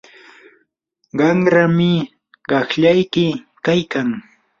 qanrami qaqllayki kaykan.